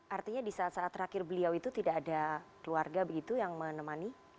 artinya di saat saat terakhir beliau itu tidak ada keluarga begitu yang menemani